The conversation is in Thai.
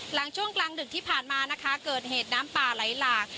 หลังช่วงกลางดึกที่ผ่านมานะคะเกิดเหตุน้ำป่าไหลหลาก